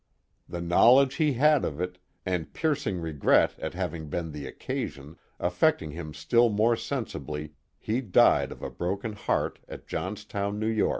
The knowledge he had of it, and piercing regret at havini; hem the occasion, affecting him still more sensibly, he died of a broken heart at Johnstown, N. Y.